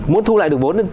muốn thu lại được vốn